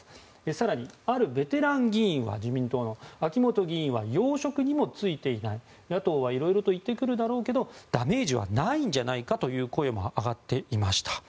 更に、自民党のあるベテラン議員は秋本議員は要職にも就いていない野党はいろいろと言ってくるだろうけどダメージはないんじゃないかという声も上がっていました。